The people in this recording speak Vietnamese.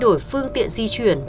để tạo hình ảnh